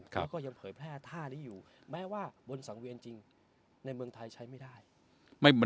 แล้วก็ยังเผยแพร่ท่านี้อยู่แม้ว่าบนสังเวียนจริงในเมืองไทยใช้ไม่ได้